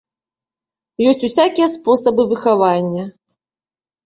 Ёсць усякія спосабы выхавання.